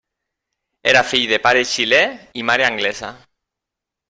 Era fill de pare xilè i mare anglesa.